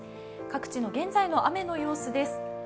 各地の現在の雨の様子です。